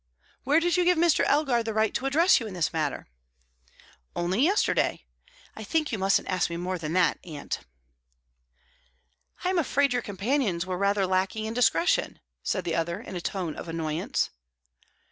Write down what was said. "Where did you give Mr. Elgar the right to address you in this manner?" "Only yesterday. I think you mustn't ask me more than that, aunt." "I'm afraid your companions were rather lacking in discretion," said the other, in a tone of annoyance.